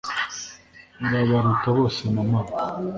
urabaruta bose Mama